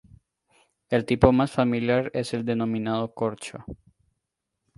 El tipo más familiar es el denominado corcho.